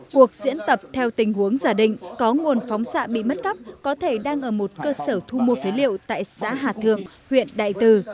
cuộc diễn tập theo tình huống giả định có nguồn phóng xạ bị mất cắp có thể đang ở một cơ sở thu mua phế liệu tại xã hà thượng huyện đại từ